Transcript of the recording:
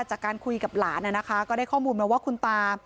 จากการคุยกับหลานนะคะก็ได้ข้อมูลมาว่าคุณตา